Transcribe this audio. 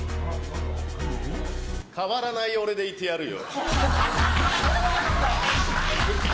変わらない俺でいてやるよ。